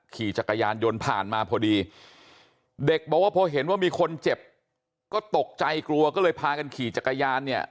ขี่จักรยานยนต์ผ่านมาพอดีเด็กบอกว่าพอเห็นว่ามีคนเจ็บก็ตกใจกลัวก็เลยพากันขี่จักรยานเนี่ย